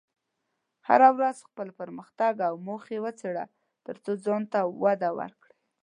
هره ورځ خپل پرمختګ او موخې وڅېړه، ترڅو ځان ته وده ورکړې.